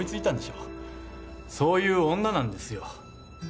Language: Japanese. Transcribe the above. そういう女なんですよ。